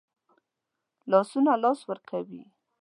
لاسونه لاس ورکوي